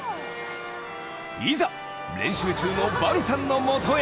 いざ練習中のバルさんのもとへ！